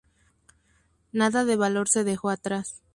Nada de valor se dejó atrás.